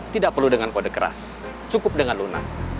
tidak perlu dengan kode keras cukup dengan lunak